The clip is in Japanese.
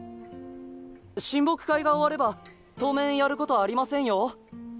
親睦会が終われば当面やることありませんよ。